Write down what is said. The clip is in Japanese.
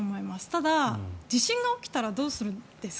ただ、地震が起きたらどうするんですか？